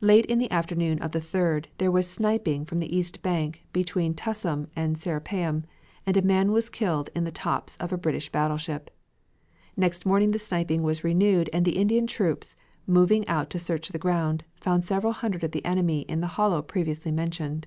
Late in the afternoon of the 3d there was sniping from the east bank between Tussum and Serapeum, and a man was killed on the tops of a British battleship. Next morning the sniping was renewed and the Indian troops, moving out to search the ground, found several hundred of the enemy in the hollow previously mentioned.